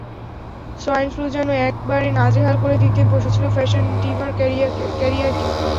Swine flu যেন একবারে নাজেহাল করে দিতে বসেছিল ফ্যাশন ডিভার ক্যারিয়ারকে।